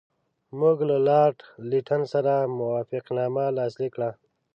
موږ له لارډ لیټن سره موافقتنامه لاسلیک کړه.